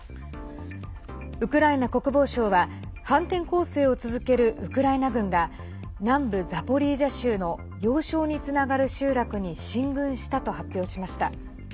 ウクライナ国防省は反転攻勢を続けるウクライナ軍が南部ザポリージャ州の要衝につながる集落に進軍したと発表しました。